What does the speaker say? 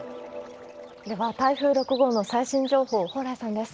では、台風６号の最新情報、蓬莱さんです。